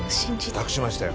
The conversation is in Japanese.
託しましたよ。